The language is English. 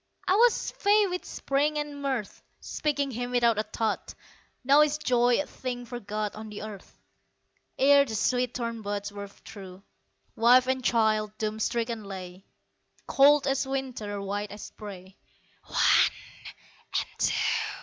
I was fey with spring and mirth Speaking him without a thought Now is joy a thing forgot On the earth. Ere the sweet thorn buds were through, Wife and child doom stricken lay, Cold as winter, white as spray "One and two!"